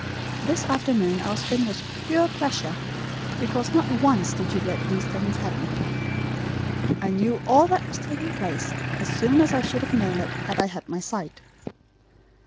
This afternoon our spin was pure pleasure, because not once did you let these things happen. I knew all that was taking place, as soon as I should have known it had I had my sight."